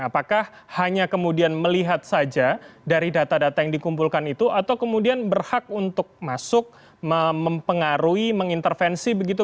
apakah hanya kemudian melihat saja dari data data yang dikumpulkan itu atau kemudian berhak untuk masuk mempengaruhi mengintervensi begitu